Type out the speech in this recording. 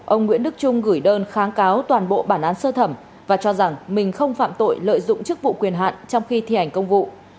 ông nguyễn đức trung gửi đơn kháng cáo toàn bộ bản án sơ thẩm và cho rằng mình không phạm tội lợi dụng chức vụ quyền hạn trong khi thi hành công vụ